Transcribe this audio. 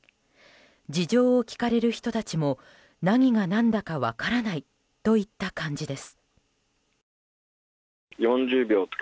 事情を聴かれる人たちも何が何だか分からないといった感じです。